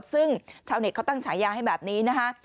ซึ่งชาวเน็ตเขาตั้งฉายาให้แบบนี้นะคะ